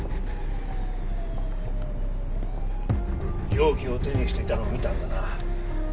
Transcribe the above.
凶器を手にしていたのを見たんだな？